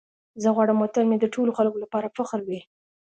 زه غواړم وطن مې د ټولو خلکو لپاره فخر وي.